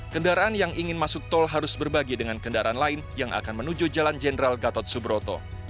kendaraan yang ingin masuk tol harus berbagi dengan kendaraan lain yang akan menuju jalan jenderal gatot subroto